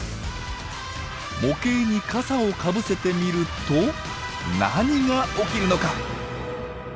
模型に傘をかぶせてみると何が起きるのか。